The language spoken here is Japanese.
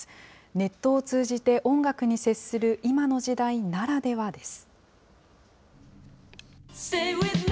ネットを通じて音楽に接する今の時代ならではです。